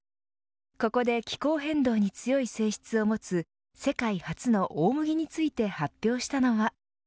ここで気候変動に強い性質を持つ世界初の大麦について発表したのは。